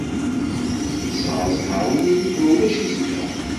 Nesɛa zzheṛ imi Yuba ulac-it da.